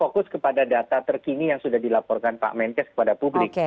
fokus kepada data terkini yang sudah dilaporkan pak menkes kepada publik